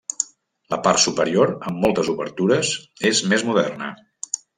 La part superior, amb moltes obertures, és més moderna.